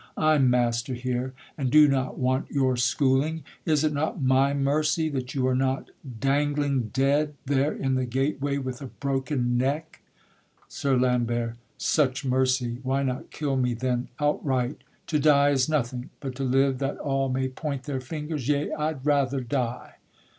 I'm master here, And do not want your schooling; is it not My mercy that you are not dangling dead There in the gateway with a broken neck? SIR LAMBERT. Such mercy! why not kill me then outright? To die is nothing; but to live that all May point their fingers! yea, I'd rather die.